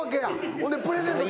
ほんでプレゼント